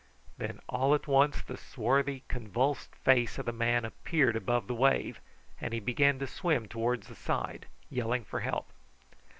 Then all at once the swarthy, convulsed face of the man appeared above the wave, and he began to swim towards the side, yelling for help.